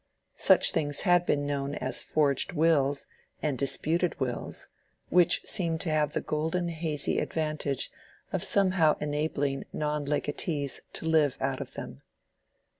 Such things had been known as forged wills and disputed wills, which seemed to have the golden hazy advantage of somehow enabling non legatees to live out of them.